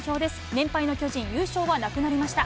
連敗の巨人、優勝はなくなりました。